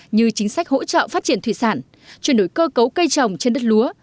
như chính sách hỗ trợ phát triển thủy sản chuyển đổi cơ cấu cây trồng trên đất lúa